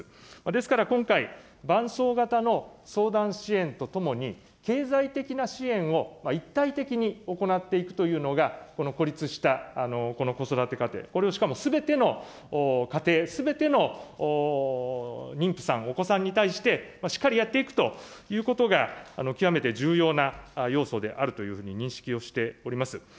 ですから今回、伴走型の相談支援とともに、経済的な支援を一体的に行っていくというのが、この孤立した子育て家庭、これをしかもすべての家庭、すべての妊婦さん、お子さんに対してしっかりやっていくということが、極めて重要な要素であるというふうに認識をしております。